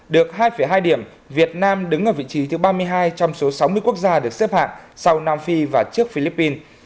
được hai hai điểm việt nam đứng ở vị trí thứ ba mươi hai trong số sáu mươi quốc gia được xếp hạng sau nam phi và trước philippines